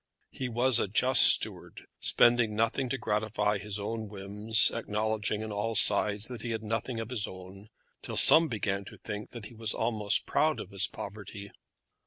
He was a just steward, spending nothing to gratify his own whims, acknowledging on all sides that he had nothing of his own, till some began to think that he was almost proud of his poverty.